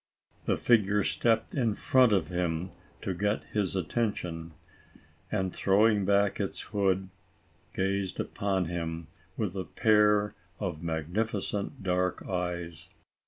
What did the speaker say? The fig ure stepped in front of him to get his attention, and, throwing back its hood, gazed upon him with a pair of magnificent dark eyes.